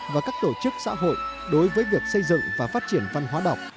và các tổ chức xã hội đối với việc xây dựng và phát triển văn hóa đọc